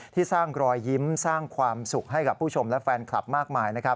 สร้างรอยยิ้มสร้างความสุขให้กับผู้ชมและแฟนคลับมากมายนะครับ